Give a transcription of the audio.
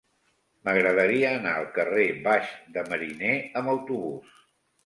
M'agradaria anar al carrer Baix de Mariner amb autobús.